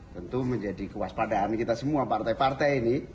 tentu menjadi kewaspadaan kita semua partai partai ini